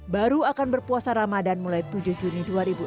baru akan berpuasa ramadan mulai tujuh juni dua ribu delapan belas